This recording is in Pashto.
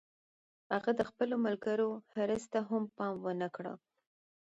هغه د خپلو ملګرو حرص ته هم پام و نه کړ